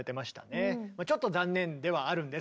ちょっと残念ではあるんですけども。